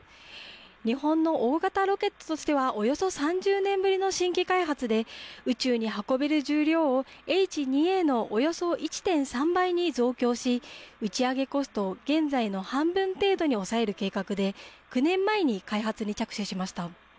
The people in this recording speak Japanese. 日本の大型ロケットとしてはおよそ３０年ぶりの新規開発で宇宙に運べる重量をＨ２Ａのおよそ１．３倍に増強し打ち上げコストを現在の半分程度に抑える計画で９年前に開発に着手しました。